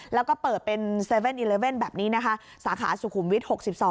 แล้วก็เปิดเป็น๗๑๑แบบนี้นะคะสาขาสุขุมวิทย์๖๒